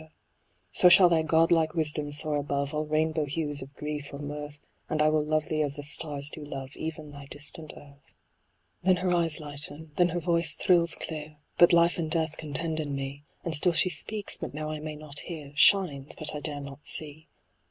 THE ASTRONOMER. " So shall thy god like wisdom soar above All rainbow hues of grief or mirth, And I will love thee as the stars do love Even thy distant earth." Then her eyes lighten, then her voice thrills clear, But life and death contend in me ; And still she speaks, but now I may not hear ; Shines, but I dare not see.